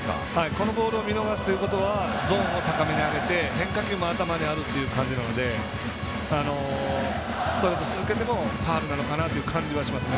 このボールを見逃すということはゾーンを高めに上げて、変化球も頭にあるという感じなのでストレート続けてもファウルなのかなという感じがしますね。